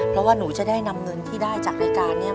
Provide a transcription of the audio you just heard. เพราะว่าหนูจะได้นำเงินที่ได้จากรายการนี้